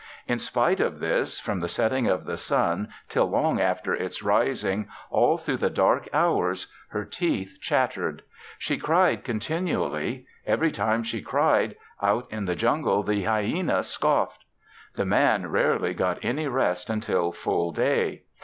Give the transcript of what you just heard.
In spite of this, from the setting of the sun till long after its rising, all through the dark hours her teeth chattered. She cried continually; every time she cried, out in the jungle the hyena scoffed. The Man rarely got any rest until full day.